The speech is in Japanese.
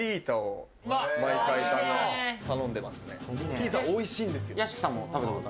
ピザ、おいしいんですよ。